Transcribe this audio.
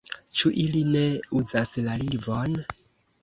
Ĉu ili ne uzas la lingvon?